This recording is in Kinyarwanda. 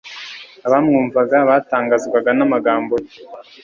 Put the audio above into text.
Abamwumvaga batangazwaga n'amagambo ye.